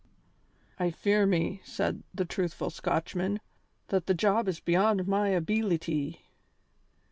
"I fear me," said the truthful Scotchman, "that the job is beyond my abeelity."